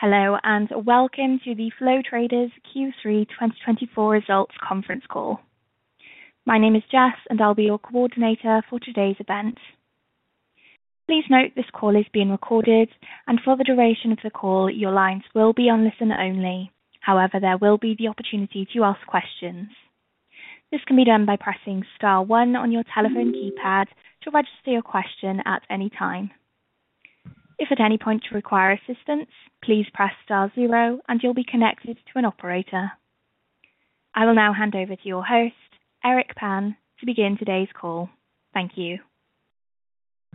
Hello, and welcome to the Flow Traders Q3 2024 results conference call. My name is Jess, and I'll be your coordinator for today's event. Please note this call is being recorded, and for the duration of the call, your lines will be on listen only. However, there will be the opportunity to ask questions. This can be done by pressing star one on your telephone keypad to register your question at any time. If at any point you require assistance, please press star zero, and you'll be connected to an operator. I will now hand over to your host, Eric Pan, to begin today's call. Thank you.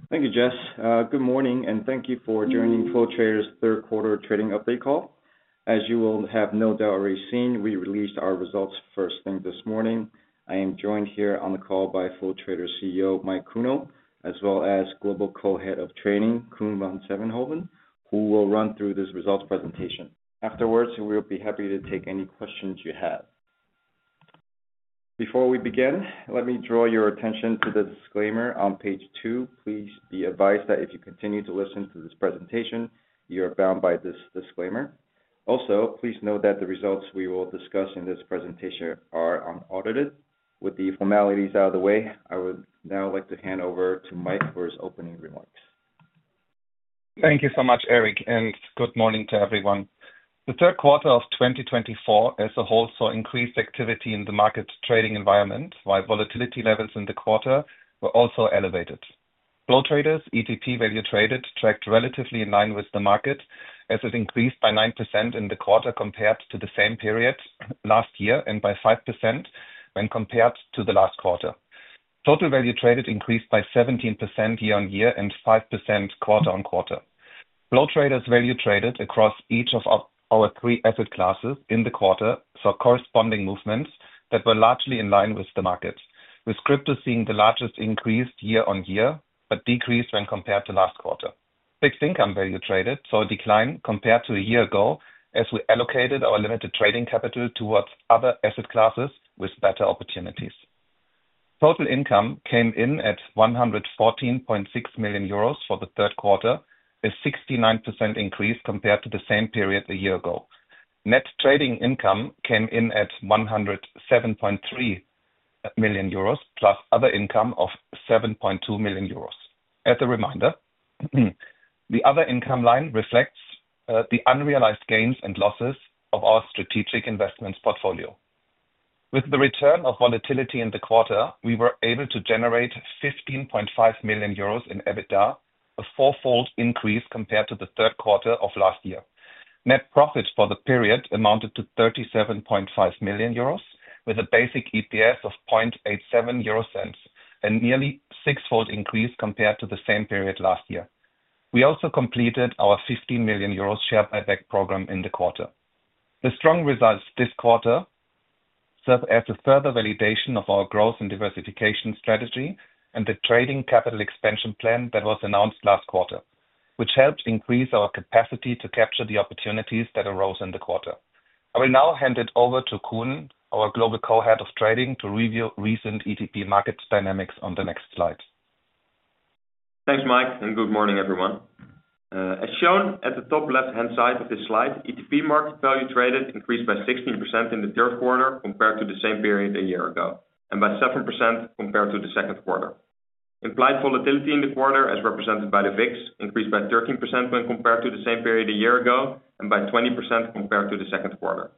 Thank you, Jess. Good morning, and thank you for joining Flow Traders' third quarter trading update call. As you will have no doubt already seen, we released our results first thing this morning. I am joined here on the call by Flow Traders CEO Mike Kuehnel, as well as global co-head of trading Coen van Sevenhoven, who will run through this results presentation. Afterwards, we will be happy to take any questions you have. Before we begin, let me draw your attention to the disclaimer on page two. Please be advised that if you continue to listen to this presentation, you are bound by this disclaimer. Also, please note that the results we will discuss in this presentation are unaudited. With the formalities out of the way, I would now like to hand over to Mike for his opening remarks. Thank you so much, Eric, and good morning to everyone. The third quarter of 2024, as a whole, saw increased activity in the market trading environment, while volatility levels in the quarter were also elevated. Flow Traders' ETP value traded tracked relatively in line with the market, as it increased by 9% in the quarter compared to the same period last year and by 5% when compared to the last quarter. Total value traded increased by 17% year-on-year and 5% quarter on quarter. Flow Traders' value traded across each of our three asset classes in the quarter saw corresponding movements that were largely in line with the market, with crypto seeing the largest increase year-on-year, but decreased when compared to last quarter. Fixed income value traded saw a decline compared to a year ago, as we allocated our limited trading capital towards other asset classes with better opportunities. Total income came in at 114.6 million euros for the third quarter, a 69% increase compared to the same period a year ago. Net trading income came in at 107.3 million euros+ other income of 7.2 million euros. As a reminder, the other income line reflects the unrealized gains and losses of our strategic investments portfolio. With the return of volatility in the quarter, we were able to generate 15.5 million euros in EBITDA, a four-fold increase compared to the third quarter of last year. Net profit for the period amounted to 37.5 million euros, with a basic EPS of 0.0087, a nearly six-fold increase compared to the same period last year. We also completed our 15 million euros share buyback program in the quarter. The strong results this quarter serve as a further validation of our growth and diversification strategy and the trading capital expansion plan that was announced last quarter, which helped increase our capacity to capture the opportunities that arose in the quarter. I will now hand it over to Coen, our Global Co-Head of Trading, to review recent ETP market dynamics on the next slide. Thanks, Mike, and good morning, everyone. As shown at the top left-hand side of this slide, ETP market value traded increased by 16% in the third quarter compared to the same period a year ago, and by 7% compared to the second quarter. Implied volatility in the quarter, as represented by the VIX, increased by 13% when compared to the same period a year ago, and by 20% compared to the second quarter.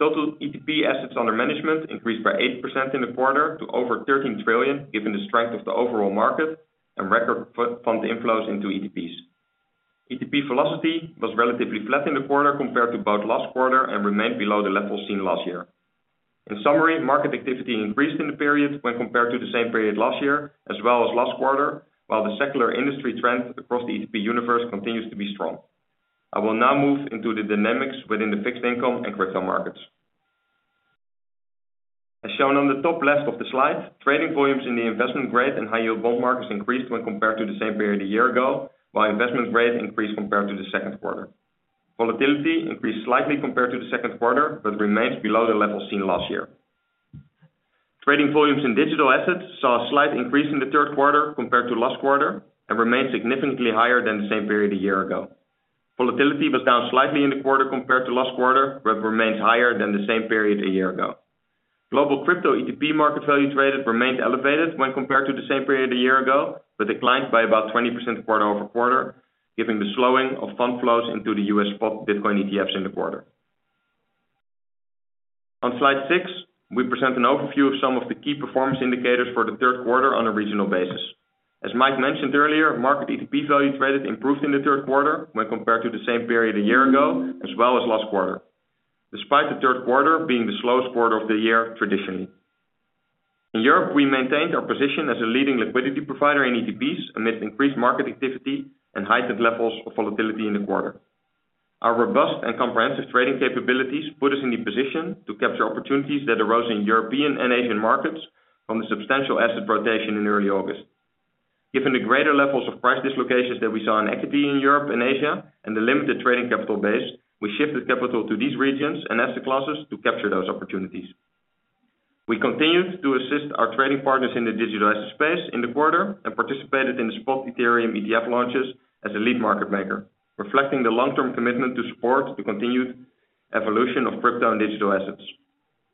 Total ETP assets under management increased by 8% in the quarter to over €13 trillion, given the strength of the overall market and record fund inflows into ETPs. ETP velocity was relatively flat in the quarter compared to both last quarter and remained below the levels seen last year. In summary, market activity increased in the period when compared to the same period last year, as well as last quarter, while the secular industry trend across the ETP universe continues to be strong. I will now move into the dynamics within the fixed income and crypto markets. As shown on the top left of the slide, trading volumes in the investment-grade and high-yield bond markets increased when compared to the same period a year ago, while investment-grade increased compared to the second quarter. Volatility increased slightly compared to the second quarter, but remains below the levels seen last year. Trading volumes in digital assets saw a slight increase in the third quarter compared to last quarter and remained significantly higher than the same period a year ago. Volatility was down slightly in the quarter compared to last quarter, but remains higher than the same period a year ago. Global crypto ETP market value traded remained elevated when compared to the same period a year ago, but declined by about 20% quarter over quarter, given the slowing of fund flows into the U.S. spot Bitcoin ETFs in the quarter. On slide six, we present an overview of some of the key performance indicators for the third quarter on a regional basis. As Mike mentioned earlier, market ETP value traded improved in the third quarter when compared to the same period a year ago, as well as last quarter, despite the third quarter being the slowest quarter of the year traditionally. In Europe, we maintained our position as a leading liquidity provider in ETPs amidst increased market activity and heightened levels of volatility in the quarter. Our robust and comprehensive trading capabilities put us in the position to capture opportunities that arose in European and Asian markets from the substantial asset rotation in early August. Given the greater levels of price dislocations that we saw in equity in Europe and Asia, and the limited trading capital base, we shifted capital to these regions and asset classes to capture those opportunities. We continued to assist our trading partners in the digital asset space in the quarter and participated in the spot Ethereum ETF launches as a lead market maker, reflecting the long-term commitment to support the continued evolution of crypto and digital assets.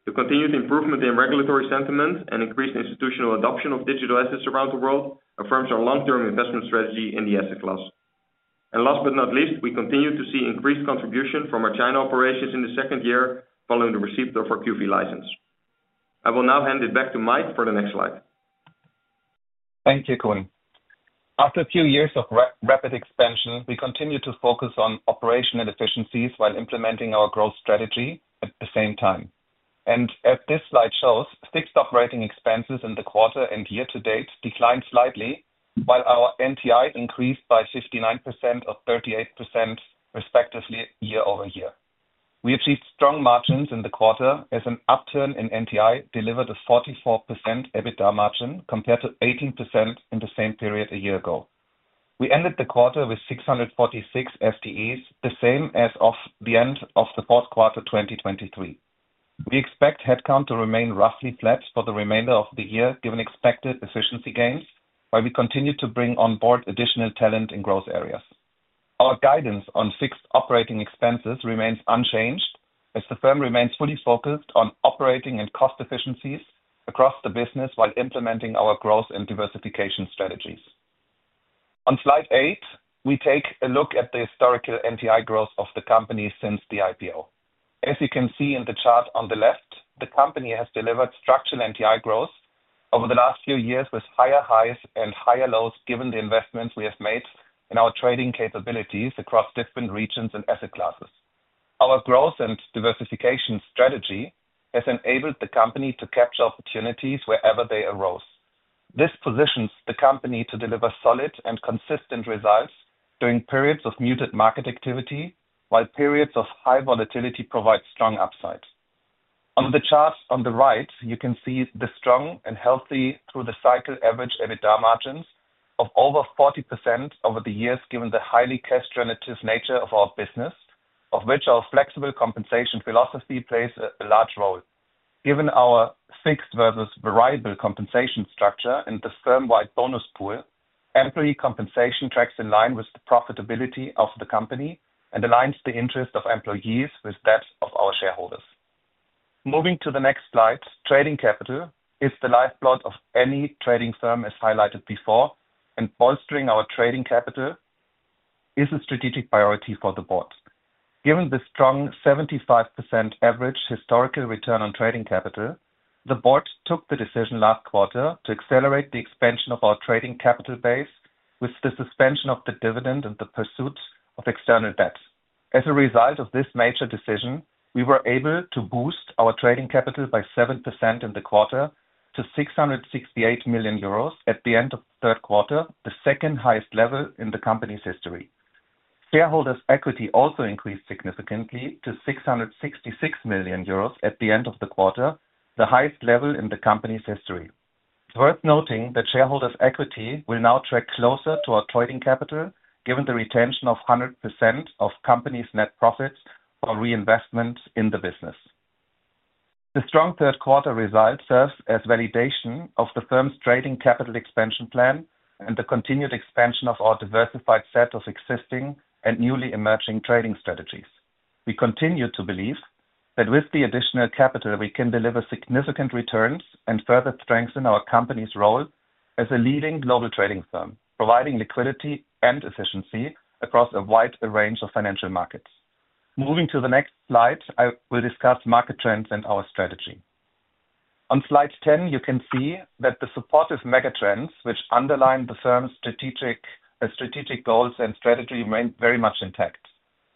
The continued improvement in regulatory sentiment and increased institutional adoption of digital assets around the world affirms our long-term investment strategy in the asset class. Last but not least, we continue to see increased contribution from our China operations in the second year following the receipt of our QFII license. I will now hand it back to Mike for the next slide. Thank you, Coen. After a few years of rapid expansion, we continue to focus on operational efficiencies while implementing our growth strategy at the same time. As this slide shows, fixed operating expenses in the quarter and year-to-date declined slightly, while our NTI increased by 59% and 38% respectively year over year. We achieved strong margins in the quarter, as an upturn in NTI delivered a 44% EBITDA margin compared to 18% in the same period a year ago. We ended the quarter with 646 FTEs, the same as of the end of the fourth quarter 2023. We expect headcount to remain roughly flat for the remainder of the year, given expected efficiency gains, while we continue to bring onboard additional talent in growth areas. Our guidance on fixed operating expenses remains unchanged, as the firm remains fully focused on operating and cost efficiencies across the business while implementing our growth and diversification strategies. On slide eight, we take a look at the historical NTI growth of the company since the IPO. As you can see in the chart on the left, the company has delivered structural NTI growth over the last few years with higher highs and higher lows given the investments we have made in our trading capabilities across different regions and asset classes. Our growth and diversification strategy has enabled the company to capture opportunities wherever they arose. This positions the company to deliver solid and consistent results during periods of muted market activity, while periods of high volatility provide strong upside. On the chart on the right, you can see the strong and healthy through-the-cycle average EBITDA margins of over 40% over the years, given the highly cash-generative nature of our business, of which our flexible compensation philosophy plays a large role. Given our fixed versus variable compensation structure in the firm-wide bonus pool, employee compensation tracks in line with the profitability of the company and aligns the interest of employees with that of our shareholders. Moving to the next slide, trading capital is the lifeblood of any trading firm, as highlighted before, and bolstering our trading capital is a strategic priority for the board. Given the strong 75% average historical return on trading capital, the board took the decision last quarter to accelerate the expansion of our trading capital base with the suspension of the dividend and the pursuit of external debt. As a result of this major decision, we were able to boost our trading capital by 7% in the quarter to 668 million euros at the end of the third quarter, the second highest level in the company's history. Shareholders' equity also increased significantly to 666 million euros at the end of the quarter, the highest level in the company's history. It's worth noting that shareholders' equity will now track closer to our trading capital, given the retention of 100% of the company's net profits for reinvestment in the business. The strong third quarter result serves as validation of the firm's trading capital expansion plan and the continued expansion of our diversified set of existing and newly emerging trading strategies. We continue to believe that with the additional capital, we can deliver significant returns and further strengthen our company's role as a leading global trading firm, providing liquidity and efficiency across a wide range of financial markets. Moving to the next slide, I will discuss market trends and our strategy. On slide 10, you can see that the supportive megatrends, which underline the firm's strategic goals and strategy, remain very much intact.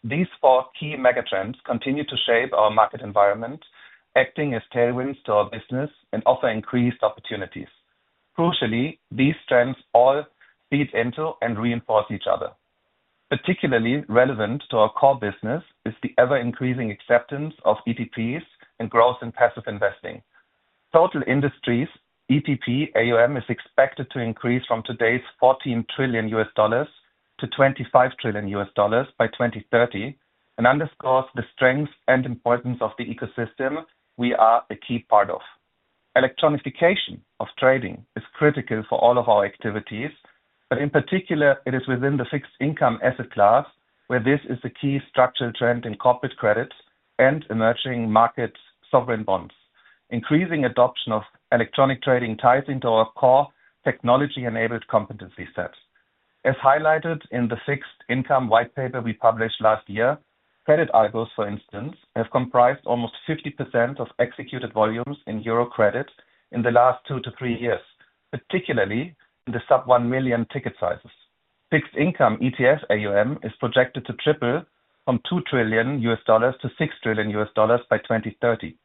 These four key megatrends continue to shape our market environment, acting as tailwinds to our business and offering increased opportunities. Crucially, these trends all feed into and reinforce each other. Particularly relevant to our core business is the ever-increasing acceptance of ETPs and growth in passive investing. Total industry's ETP AUM is expected to increase from today's $14 trillion to $25 trillion by 2030 and underscores the strength and importance of the ecosystem we are a key part of. Electronification of trading is critical for all of our activities, but in particular, it is within the fixed income asset class, where this is a key structural trend in corporate credits and emerging market sovereign bonds. Increasing adoption of electronic trading ties into our core technology-enabled competency set. As highlighted in the fixed income white paper we published last year, Credit RFQs, for instance, have comprised almost 50% of executed volumes in euro credit in the last two to three years, particularly in the sub-$1 million ticket sizes. Fixed income ETF AUM is projected to triple from $2 trillion to $6 trillion by 2030.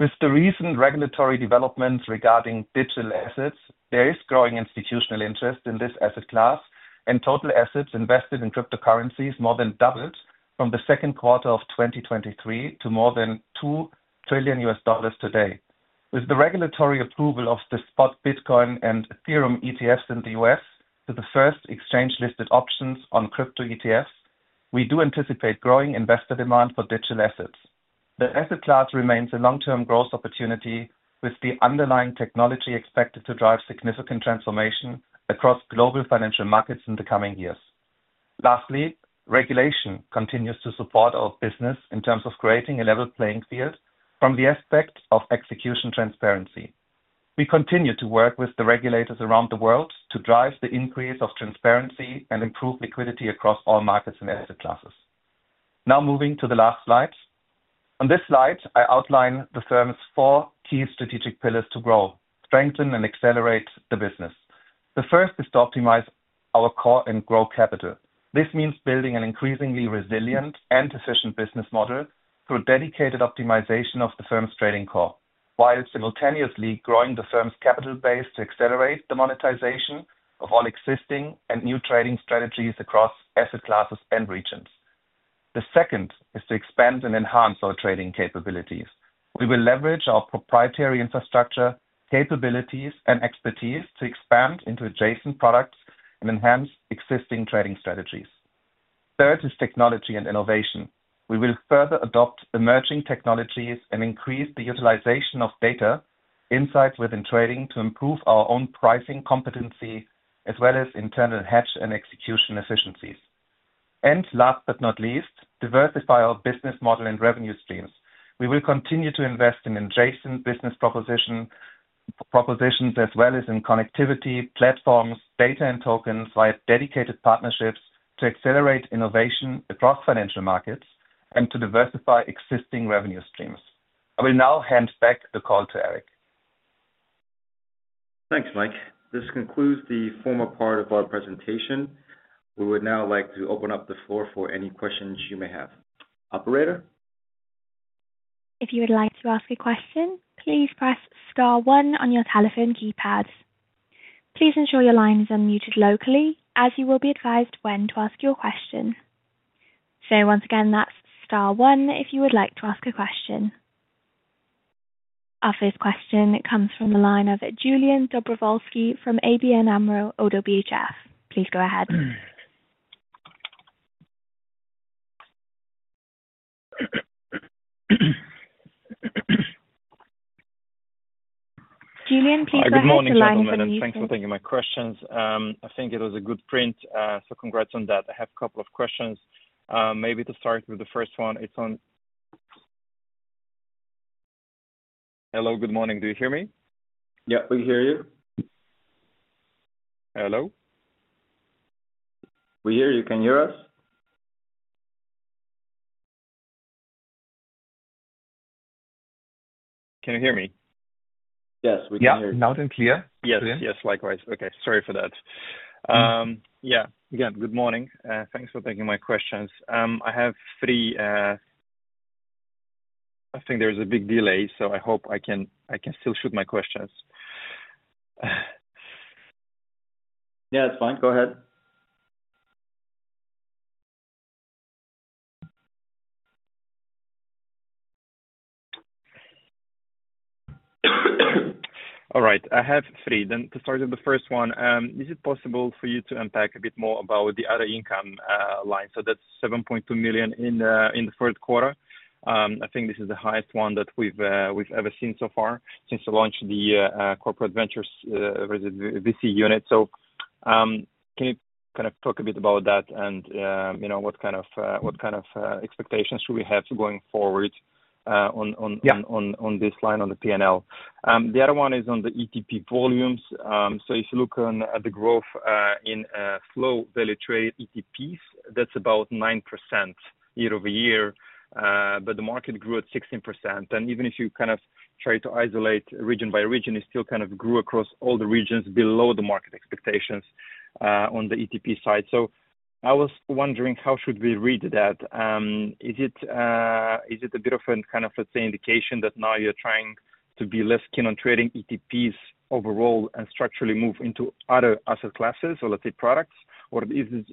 With the recent regulatory developments regarding digital assets, there is growing institutional interest in this asset class, and total assets invested in cryptocurrencies more than doubled from the second quarter of 2023 to more than $2 trillion today. With the regulatory approval of the spot Bitcoin and Ethereum ETFs in the U.S. to the first exchange-listed options on crypto ETFs, we do anticipate growing investor demand for digital assets. The asset class remains a long-term growth opportunity, with the underlying technology expected to drive significant transformation across global financial markets in the coming years. Lastly, regulation continues to support our business in terms of creating a level playing field from the aspect of execution transparency. We continue to work with the regulators around the world to drive the increase of transparency and improve liquidity across all markets and asset classes. Now, moving to the last slide. On this slide, I outline the firm's four key strategic pillars to grow, strengthen, and accelerate the business. The first is to optimize our core and grow capital. This means building an increasingly resilient and efficient business model through dedicated optimization of the firm's trading core, while simultaneously growing the firm's capital base to accelerate the monetization of all existing and new trading strategies across asset classes and regions. The second is to expand and enhance our trading capabilities. We will leverage our proprietary infrastructure, capabilities, and expertise to expand into adjacent products and enhance existing trading strategies. Third is technology and innovation. We will further adopt emerging technologies and increase the utilization of data insights within trading to improve our own pricing competency, as well as internal hedge and execution efficiencies. And last but not least, diversify our business model and revenue streams. We will continue to invest in adjacent business propositions, as well as in connectivity platforms, data, and tokens via dedicated partnerships to accelerate innovation across financial markets and to diversify existing revenue streams. I will now hand back the call to Eric. Thanks, Mike. This concludes the formal part of our presentation. We would now like to open up the floor for any questions you may have. Operator. If you would like to ask a question, please press star one on your telephone keypad. Please ensure your line is unmuted locally, as you will be advised when to ask your question. So once again, that's star one if you would like to ask a question. Our first question comes from the line of Iulian Dobrovolschi from ABN AMRO – ODDO BHF. Please go ahead. Iulian, please go ahead to the line for the next. Good morning. Thanks for taking my questions. I think it was a good print, so congrats on that. I have a couple of questions. Maybe to start with the first one, it's on. Hello, good morning. Do you hear me? Yeah, we hear you. Hello? We hear you. Can you hear us? Can you hear me? Yes, we can hear you. Yeah, loud and clear. Yes, yes, likewise. Okay, sorry for that. Yeah, again, good morning. Thanks for taking my questions. I have three. I think there's a big delay, so I hope I can still shoot my questions. Yeah, that's fine. Go ahead. All right. I have three. Then to start with the first one, is it possible for you to unpack a bit more about the other income line? So that's 7.2 million in the third quarter. I think this is the highest one that we've ever seen so far since we launched the corporate ventures VC unit. So can you kind of talk a bit about that and what kind of expectations should we have going forward on this line, on the P&L? The other one is on the ETP volumes. So if you look at the growth in Flow value traded ETPs, that's about 9% year over year, but the market grew at 16%. And even if you kind of try to isolate region by region, it still kind of grew across all the regions below the market expectations on the ETP side. So, I was wondering, how should we read that? Is it a bit of a kind of, let's say, indication that now you're trying to be less keen on trading ETPs overall and structurally move into other asset classes or, let's say, products? Or is this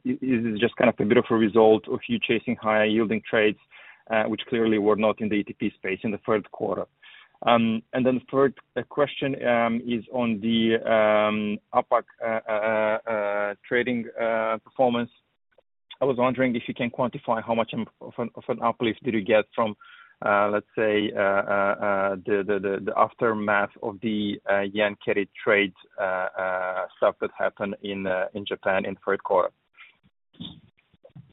just kind of a bit of a result of you chasing higher yielding trades, which clearly were not in the ETP space in the third quarter? And then the third question is on the APAC trading performance. I was wondering if you can quantify how much of an uplift did you get from, let's say, the aftermath of the yen carry trade stuff that happened in Japan in the third quarter?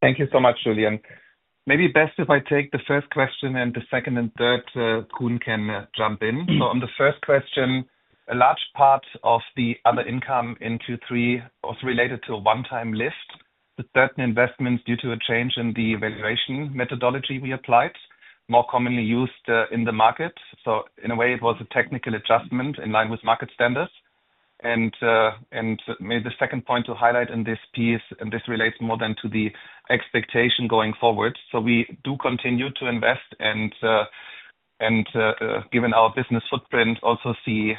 Thank you so much, Iulian. Maybe best if I take the first question and the second and third. Coen can jump in. So on the first question, a large part of the other income in Q3 was related to a one-time lift, certain investments due to a change in the valuation methodology we applied, more commonly used in the market. So in a way, it was a technical adjustment in line with market standards. And maybe the second point to highlight in this piece, and this relates more to the expectation going forward. So we do continue to invest and, given our business footprint, also see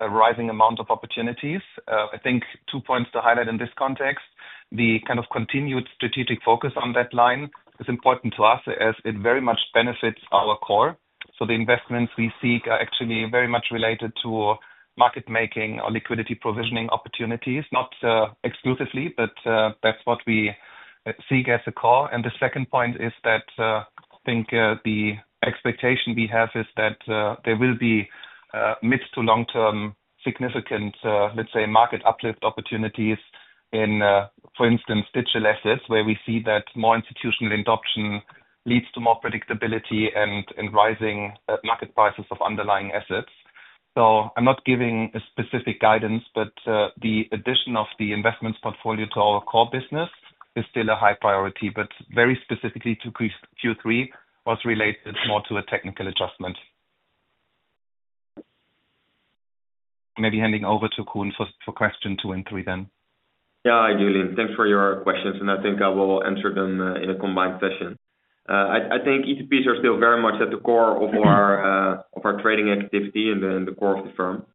a rising amount of opportunities. I think two points to highlight in this context. The kind of continued strategic focus on that line is important to us as it very much benefits our core. So the investments we seek are actually very much related to market-making or liquidity provisioning opportunities, not exclusively, but that's what we seek as a core. And the second point is that I think the expectation we have is that there will be mid to long-term significant, let's say, market uplift opportunities in, for instance, digital assets, where we see that more institutional adoption leads to more predictability and rising market prices of underlying assets. So I'm not giving specific guidance, but the addition of the investments portfolio to our core business is still a high priority, but very specifically to Q3 was related more to a technical adjustment. Maybe handing over to Coen for question two and three then. Yeah, Julian, thanks for your questions. And I think I will answer them in a combined session. I think ETPs are still very much at the core of our trading activity and the core of the firm.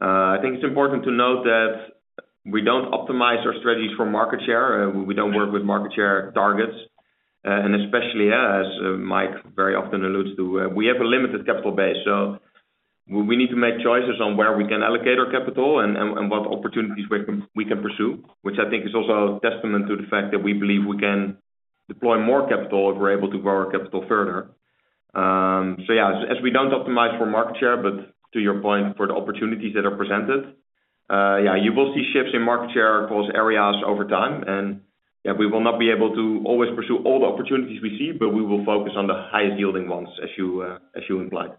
I think it's important to note that we don't optimize our strategies for market share. We don't work with market share targets, and especially, as Mike very often alludes to, we have a limited capital base, so we need to make choices on where we can allocate our capital and what opportunities we can pursue, which I think is also a testament to the fact that we believe we can deploy more capital if we're able to grow our capital further, so yeah, as we don't optimize for market share, but to your point, for the opportunities that are presented, yeah, you will see shifts in market share across areas over time. And yeah, we will not be able to always pursue all the opportunities we see, but we will focus on the highest yielding ones, as you implied.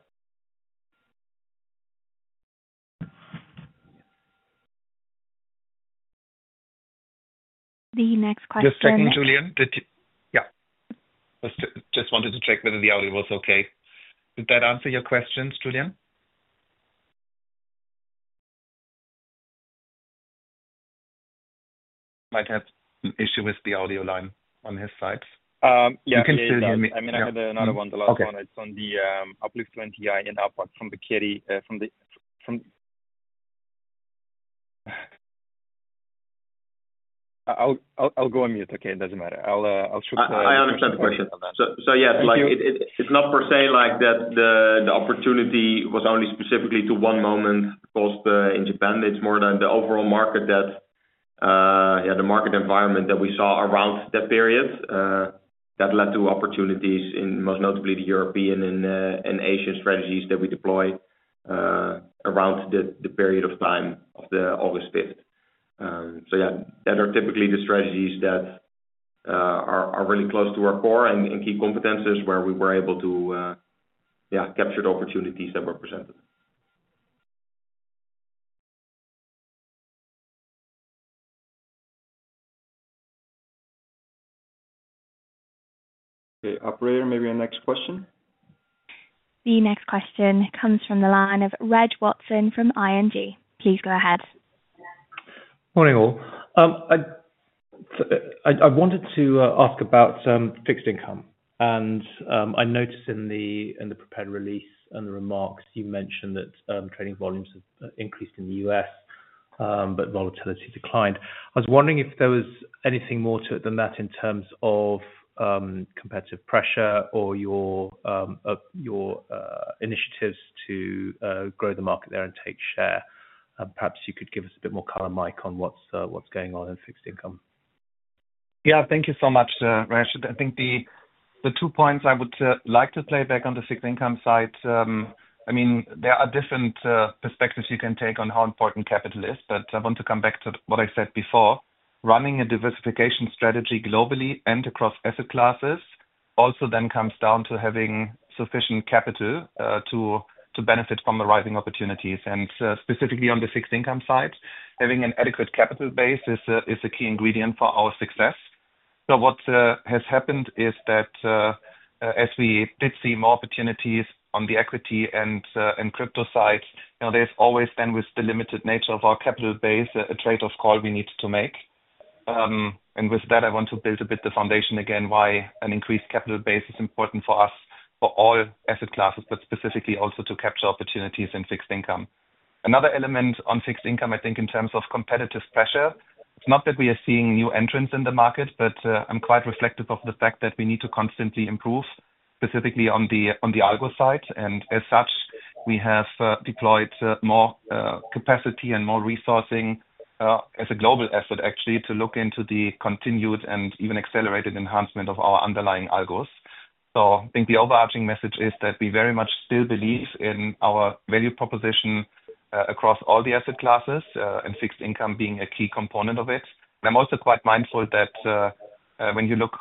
The next question. Just checking, Iulian. Yeah. Just wanted to check whether the audio was okay. Did that answer your questions, Iulian? Mike had an issue with the audio line on his side. You can still hear me. I mean, I had another one. The last one, it's on the uplift 20% in APAC from the carry. I'll go on mute. Okay, it doesn't matter. I'll shoot. I understand the question. So yes, it's not per se like that the opportunity was only specifically to one moment's chaos in Japan. It's more the overall market, yeah, the market environment that we saw around that period that led to opportunities, most notably the European and Asian strategies that we deployed around the period of time of the August 5th. So yeah, those are typically the strategies that are really close to our core and key competencies where we were able to, yeah, capture the opportunities that were presented. Okay, Operator, maybe a next question? The next question comes from the line of Reg Watson from ING. Please go ahead. Morning all. I wanted to ask about fixed income. And I noticed in the prepared release and the remarks, you mentioned that trading volumes have increased in the U.S., but volatility declined. I was wondering if there was anything more to it than that in terms of competitive pressure or your initiatives to grow the market there and take share. Perhaps you could give us a bit more color, Mike, on what's going on in fixed income. Yeah, thank you so much, Reg. I think the two points I would like to play back on the fixed income side. I mean, there are different perspectives you can take on how important capital is, but I want to come back to what I said before. Running a diversification strategy globally and across asset classes also then comes down to having sufficient capital to benefit from the rising opportunities, and specifically on the fixed income side, having an adequate capital base is a key ingredient for our success, so what has happened is that as we did see more opportunities on the equity and crypto side, there's always then with the limited nature of our capital base, a trade-off call we need to make. And with that, I want to build a bit the foundation again why an increased capital base is important for us, for all asset classes, but specifically also to capture opportunities in fixed income. Another element on fixed income, I think in terms of competitive pressure, it's not that we are seeing new entrants in the market, but I'm quite reflective of the fact that we need to constantly improve, specifically on the algo side. And as such, we have deployed more capacity and more resourcing as a global asset, actually, to look into the continued and even accelerated enhancement of our underlying algos. So I think the overarching message is that we very much still believe in our value proposition across all the asset classes and fixed income being a key component of it. I'm also quite mindful that when you look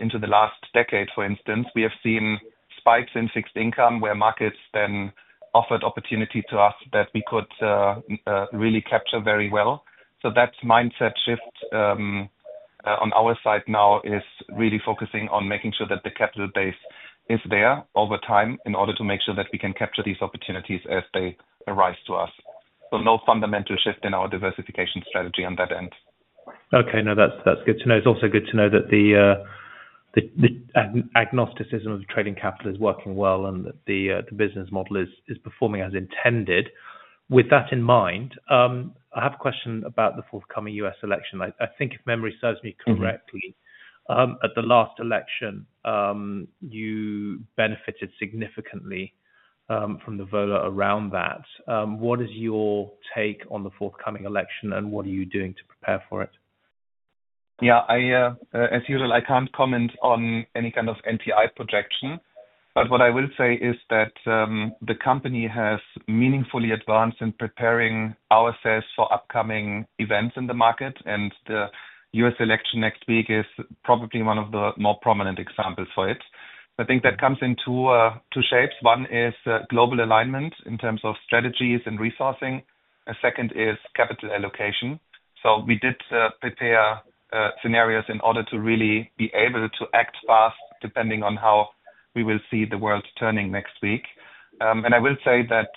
into the last decade, for instance, we have seen spikes in fixed income where markets then offered opportunity to us that we could really capture very well. So that mindset shift on our side now is really focusing on making sure that the capital base is there over time in order to make sure that we can capture these opportunities as they arise to us. So no fundamental shift in our diversification strategy on that end. Okay, no, that's good to know. It's also good to know that the agnosticism of trading capital is working well and that the business model is performing as intended. With that in mind, I have a question about the forthcoming U.S. election. I think if memory serves me correctly, at the last election, you benefited significantly from the vote around that. What is your take on the forthcoming election, and what are you doing to prepare for it? Yeah, as usual, I can't comment on any kind of NTI projection. But what I will say is that the company has meaningfully advanced in preparing ourselves for upcoming events in the market. And the U.S. election next week is probably one of the more prominent examples for it. I think that comes in two shapes. One is global alignment in terms of strategies and resourcing. A second is capital allocation. So we did prepare scenarios in order to really be able to act fast depending on how we will see the world turning next week. And I will say that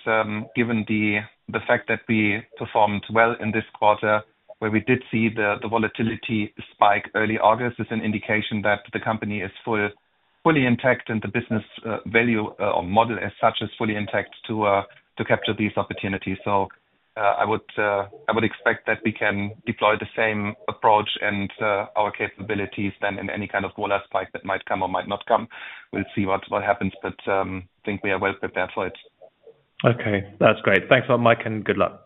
given the fact that we performed well in this quarter, where we did see the volatility spike early August, is an indication that the company is fully intact and the business value or model as such is fully intact to capture these opportunities. I would expect that we can deploy the same approach and our capabilities then in any kind of volatile spike that might come or might not come. We'll see what happens, but I think we are well prepared for it. Okay, that's great. Thanks a lot, Mike, and good luck.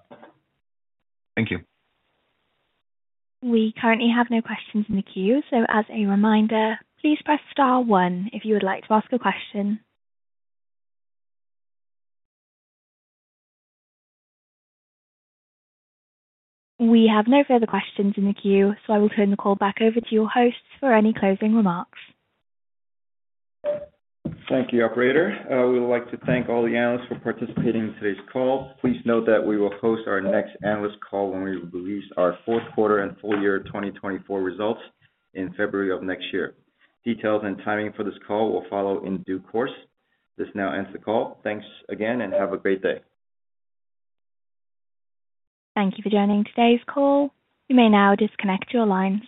Thank you. We currently have no questions in the queue. So as a reminder, please press star one if you would like to ask a question. We have no further questions in the queue, so I will turn the call back over to your hosts for any closing remarks. Thank you, Operator. We would like to thank all the analysts for participating in today's call. Please note that we will host our next analyst call when we release our fourth quarter and full year 2024 results in February of next year. Details and timing for this call will follow in due course. This now ends the call. Thanks again and have a great day. Thank you for joining today's call. You may now disconnect your lines.